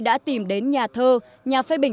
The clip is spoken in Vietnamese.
đã tìm đến nhà thơ nhà phê bình